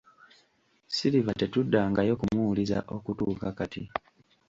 Silver tetuddangayo kumuwuliza okutuuka kati.